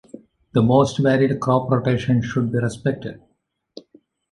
The most varied crop rotation should be respected.